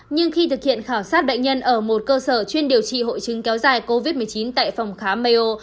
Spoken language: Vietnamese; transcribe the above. nhưng khi thực hiện khảo sát bệnh nhân ở một cơ sở chuyên điều trị hội chứng kéo dài covid một mươi chín tại phòng khám maio